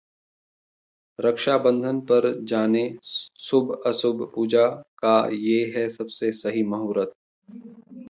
रक्षाबंधन पर जानें शुभ-अशुभ, पूजा करने का ये है सबसे सही मुहूर्त